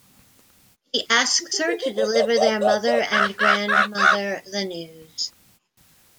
He asks her to deliver their mother and grandmother the news.